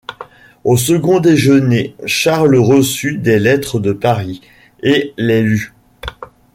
Au second déjeuner, Charles reçut des lettres de Paris, et les lut.